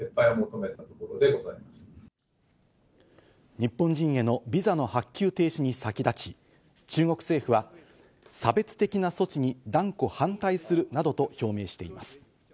日本人へのビザの発給停止に先立ち、中国政府は差別的な措置に断固反対するなどと表明しています。